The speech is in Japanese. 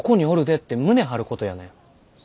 って胸張ることやねん。